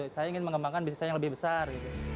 saya ingin mengembangkan bisnis saya yang lebih besar